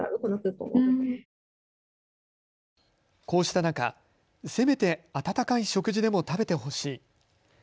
こうした中、せめて温かい食事でも食べてほしい。